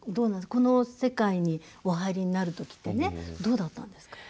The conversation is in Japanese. この世界にお入りになる時ってどうだったんですか？